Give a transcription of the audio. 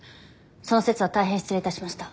その節は大変失礼いたしました。